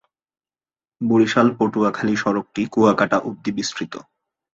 বরিশাল-পটুয়াখালী সড়কটি কুয়াকাটা অবধি বিস্তৃত।